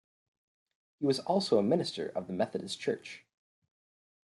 He was also a Minister of the Methodist Church.